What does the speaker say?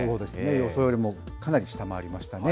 予想よりもかなり下回りましたね。